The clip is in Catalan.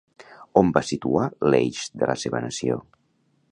On va situar l'eix de la seva nació?